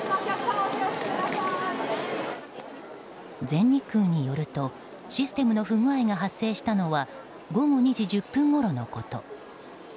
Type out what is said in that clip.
全日空によるとシステムの不具合が発生したのは午後２時１０分ごろのこと。